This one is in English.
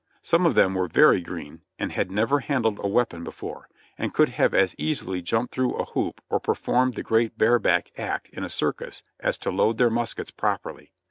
Some of them were very green and had never handled a weapon before, and could have as easily jumped through a hoop or per formed the great bare back act in a circus as to load their muskets properly.